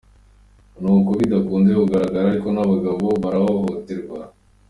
Nubwo bidakunze kugaragara ariko n'abagabo barahohoterwa.